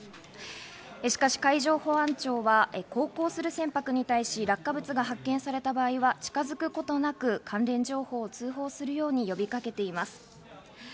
しかし、海上保安庁は航行する船舶に対し、落下物が発見された場合は近付くことなく、関連情報を通報するように呼びかけています。